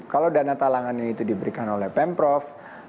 kalau dana talangannya itu diberikan oleh pemprov